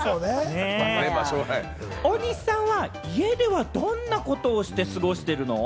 大西さんは、家ではどんなことをして過ごしてるの？